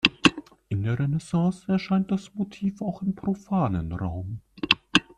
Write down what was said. In der Renaissance erscheint das Motiv auch im profanen Raum.